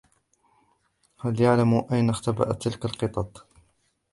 هل يعلم أين اختبأت تلك القطط ؟